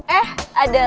bentar lagi bel